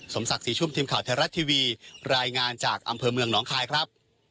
ศักดิ์ศรีชุ่มทีมข่าวไทยรัฐทีวีรายงานจากอำเภอเมืองหนองคายครับ